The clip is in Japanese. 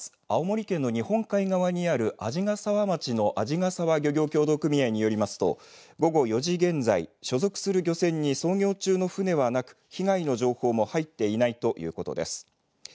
青森県の日本海側にある鰺ヶ沢町の鰺ヶ沢漁業協同組合によりますと午後４時現在、所属する漁船に操業中の船はなく、被害の情報も入っていないということです。